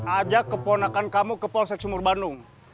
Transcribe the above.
ajak keponakan kamu ke polsek sumur bandung